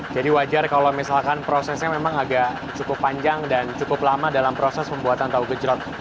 jadi wajar kalau misalkan prosesnya memang agak cukup panjang dan cukup lama dalam proses pembuatan tahu gejrot